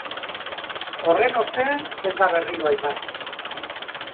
Horren ostean, ez da berriro aipatzen.